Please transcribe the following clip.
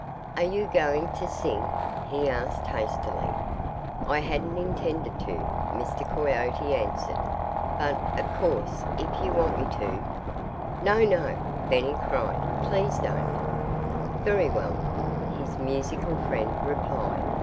"Are you going to sing?" he asked hastily. "I hadn't intended to," Mr. Coyote answered. "But of course if you want me to " "No! no!" Benny cried. "Please don't!" "Very well!" his musical friend replied.